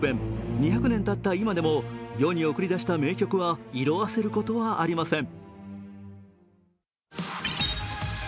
２００年たった今でも世に送り出した名曲は色あせることはありません。